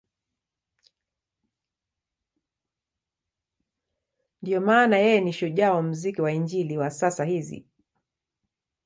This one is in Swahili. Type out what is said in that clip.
Ndiyo maana yeye ni shujaa wa muziki wa Injili wa sasa hizi.